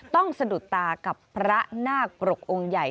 สะดุดตากับพระนาคปรกองค์ใหญ่